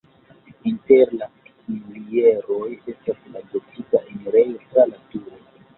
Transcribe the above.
Inter la pilieroj estas la gotika enirejo tra la turo.